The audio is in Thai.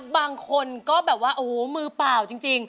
บางคนก็แบบว่าโอ้โหมือเปล่าจริง